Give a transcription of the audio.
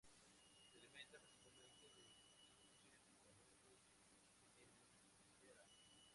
Se alimenta principalmente de chinches terrestres Hemiptera.